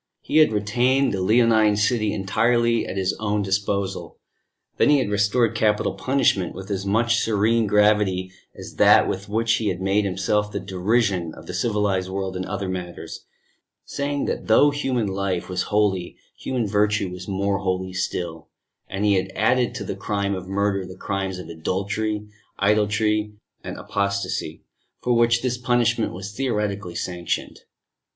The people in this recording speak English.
He had retained the Leonine City entirely at his own disposal. Then he had restored Capital Punishment, with as much serene gravity as that with which he had made himself the derision of the civilised world in other matters, saying that though human life was holy, human virtue was more holy still; and he had added to the crime of murder, the crimes of adultery, idolatry and apostasy, for which this punishment was theoretically sanctioned.